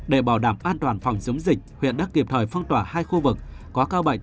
để bảo đảm an toàn phòng chống dịch huyện đã kịp thời phong tỏa hai khu vực có ca bệnh